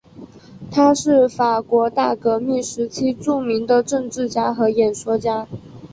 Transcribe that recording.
他是法国大革命时期著名的政治家和演说家。